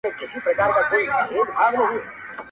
بس دي وي فرهاده ستا د سر کیسه به شاته کړم,